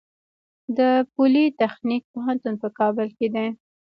د پولي تخنیک پوهنتون په کابل کې دی